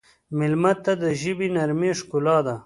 مېلمه ته د ژبې نرمي ښکلا ده.